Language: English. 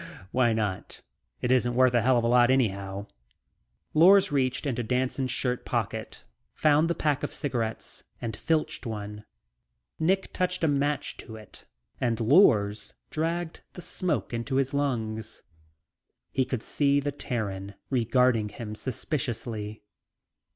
"Why not? It isn't worth a hell of a lot anyhow." Lors reached into Danson's shirt pocket, found the pack of cigarettes and filched one. Nick touched a match to it and Lors dragged the smoke into his lungs. He could see the Terran regarding him suspiciously.